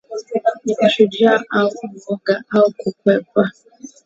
ni ushujaa au ooga au kukwepa